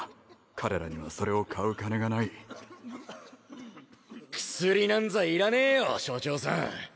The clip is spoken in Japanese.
彼らにはそれを買う金がない薬なんざいらねえよ所長さん